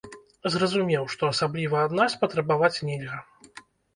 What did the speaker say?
Зразумеў, што асабліва ад нас патрабаваць нельга.